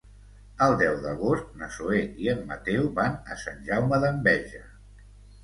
El deu d'agost na Zoè i en Mateu van a Sant Jaume d'Enveja.